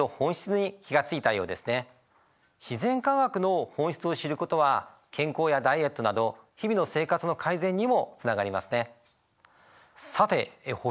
自然科学の本質を知ることは健康やダイエットなど日々の生活の改善にもつながりますね。